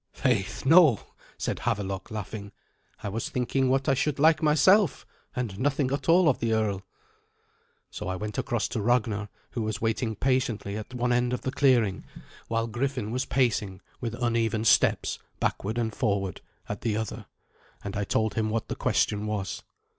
"Faith, no," said Havelok, laughing; "I was thinking what I should like myself, and nothing at all of the earl." So I went across to Ragnar, who was waiting patiently at one end of the clearing, while Griffin was pacing with uneven steps backward and forward at the other, and I told him what the question was.